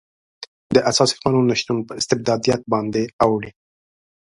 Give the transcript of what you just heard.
د اساسي قانون نشتون په استبدادیت باندې اوړي.